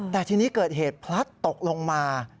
แต่ทีนี้เกิดเหตุพลัดตกลงมา